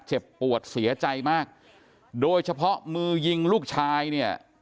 เจ็บปวดเสียใจมากโดยเฉพาะมือยิงลูกชายเนี่ย